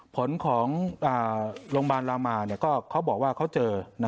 ผลของโรงพยาบาลรามาก็เขาบอกว่าเขาเจอ